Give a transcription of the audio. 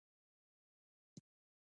اولادونه به یې منډې رامنډې کوي.